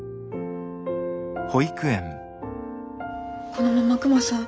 このままクマさん